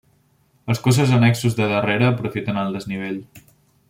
Els cossos annexos de darrere aprofiten el desnivell.